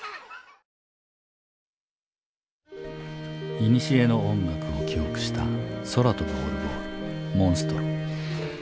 いにしえの音楽を記憶した空飛ぶオルゴール「モンストロ」。